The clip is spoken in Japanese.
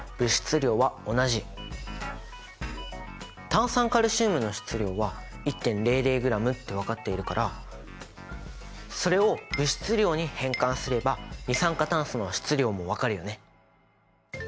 炭酸カルシウムの質量は１．００ｇって分かっているからそれを物質量に変換すれば二酸化炭素の質量も分かるよね！